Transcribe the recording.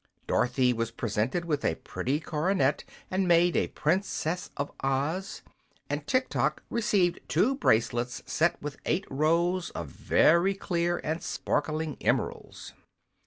Dorothy was presented with a pretty coronet and made a Princess of Oz, and Tiktok received two bracelets set with eight rows of very clear and sparkling emeralds.